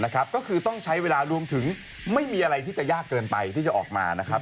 ก็คือต้องใช้เวลารวมถึงไม่มีอะไรที่จะยากเกินไปที่จะออกมานะครับ